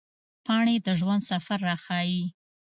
پاڼې د ژوند سفر راښيي